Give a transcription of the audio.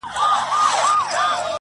• زما له زړه یې جوړه کړې خېلخانه ده.